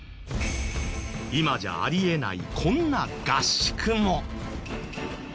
今じゃあり得ないこんな合宿も。